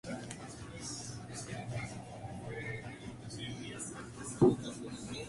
Trajo docentes especializados de Francia para la formación de los profesores.